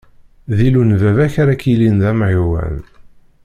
D Illu n baba-k ara k-yilin d Amɛiwen.